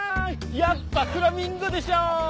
やっぱフラミンゴでしょう！